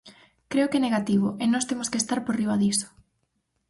Creo que é negativo, e nós temos que estar por riba diso.